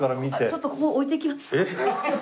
ちょっと置いていきます。